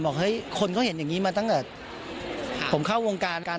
บอกให้คนเขาเห็นอย่างนี้มาตั้งแต่ผมเข้าวงการ